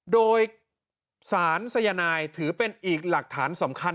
โดยสารสายนายถือเป็นอีกหลักฐานสำคัญ